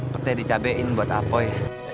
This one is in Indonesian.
petai dicabain buat apoi